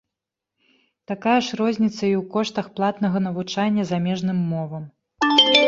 Такая ж розніца і ў коштах платнага навучання замежным мовам.